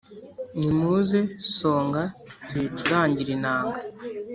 nimuze songa tuyicurangire inanga,